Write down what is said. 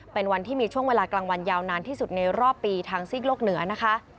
เป็นวันที่มีช่วงเวลากลางวันยาวนานที่สุดในรอบปีทางซีกโลกเหนือนะคะ